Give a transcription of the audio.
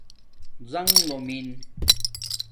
زنݣ لُومن